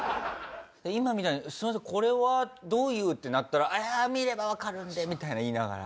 今みたいに「すいませんこれはどういう？」ってなったら「ああ見ればわかるんで」みたいな言いながら？